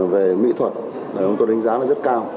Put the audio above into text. về mỹ thuật đồng tôi đánh giá nó rất cao